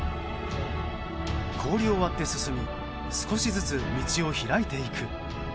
氷を割って進み少しずつ道を開いていく。